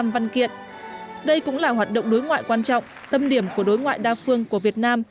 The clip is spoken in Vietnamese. năm mươi năm văn kiện đây cũng là hoạt động đối ngoại quan trọng tâm điểm của đối ngoại đa phương của việt nam